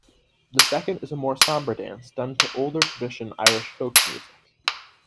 The second is a more sombre dance done to older tradition Irish Folk music.